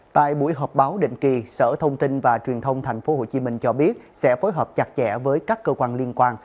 tại buổi họp báo định kỳ sở thông tin và truyền thông tp hcm cho biết sẽ phối hợp chặt chẽ với các cơ quan liên quan